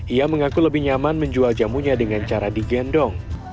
ia mengaku lebih nyaman menjual jamunya dengan cara digendong